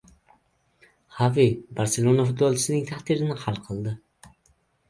Xavi “Barselona” futbolchisining taqdirini hal qildi